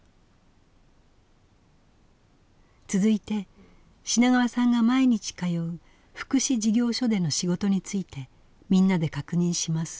続いて品川さんが毎日通う福祉事業所での仕事についてみんなで確認します。